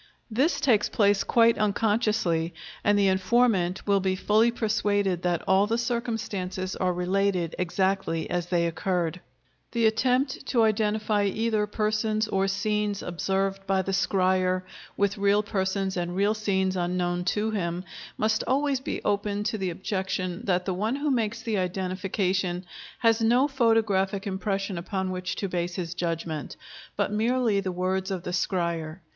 This takes place quite unconsciously, and the informant will be fully persuaded that all the circumstances are related exactly as they occurred. The attempt to identify either persons or scenes observed by the scryer with real persons and real scenes unknown to him, must always be open to the objection that the one who makes the identification has no photographic impression upon which to base his judgment, but merely the words of the scryer.